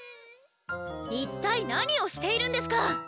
一体何をしているんですか！